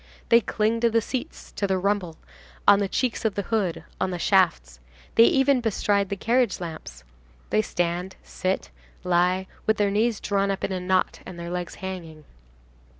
They cling to the seats, to the rumble, on the cheeks of the hood, on the shafts. They even bestride the carriage lamps. They stand, sit, lie, with their knees drawn up in a knot, and their legs hanging.